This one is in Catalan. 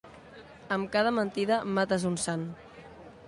Amb cada mentida mates un sant.